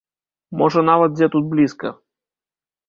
Можа нават дзе тут блізка.